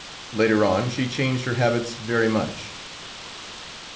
Later on she changed her habits very much.